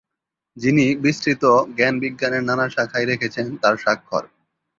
যিনি বিস্তৃত জ্ঞান-বিজ্ঞানের নানা শাখায় রেখেছেন তার স্বাক্ষর।